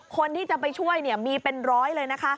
คนที่จะไปช่วยมีเป็นร้อยเลยนะคะ